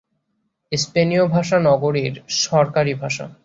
স্পেনীয় ভাষা নগরীর সরকারী ভাষা।